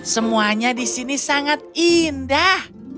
semuanya di sini sangat indah